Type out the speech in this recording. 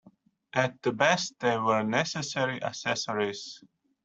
At the best, they were necessary accessories.